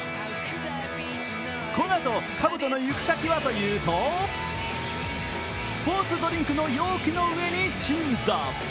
このあと、かぶとの行く先はというとスポーツドリンクの容器の上に鎮座。